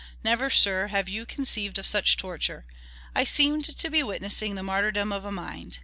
Never, sir, have you conceived of such torture: I seemed to be witnessing the martyrdom of a mind.